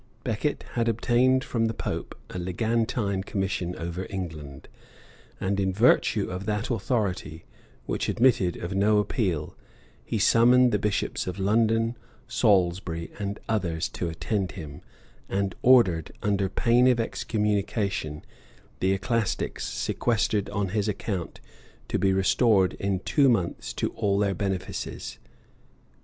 Becket had obtained from the pope a legantine commission over England; and in virtue of that authority, which admitted of no appeal, he summoned the bishops of London, Salisbury, and others to attend him, and ordered, under pain of excommunication, the ecclesiastics, sequestered on his account, to be restored in two months to all their benefices.